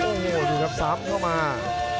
โอ้โหดูครับซ้ำเข้ามา